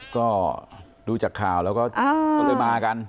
ก็ดูจากข่าวแล้วก็ก็เลยมากัน